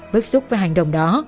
bức xúc về hành động đó